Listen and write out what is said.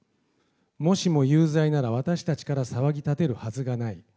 もしも有罪なら私たちから騒ぎ立てるはずがない。